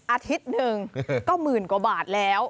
อาทิตย์หนึ่งก็หมื่นกว่าบาทแล้ว